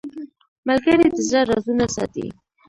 ملګری د زړه رازونه ساتي